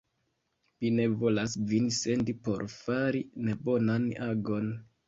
Mi ne volas vin sendi por fari nebonan agon!